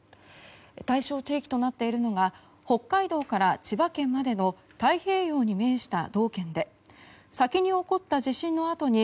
対象地域となっているのは北海道から千葉県までの太平洋に面した道県で先に起こった地震のあとに